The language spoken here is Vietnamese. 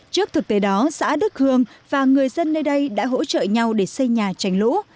trước thực tế đó xã đức hương và người dân nơi đây đã hỗ trợ nhau để xây nhà tránh lũ